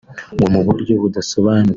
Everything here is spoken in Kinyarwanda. ngo mu buryo budasobanutse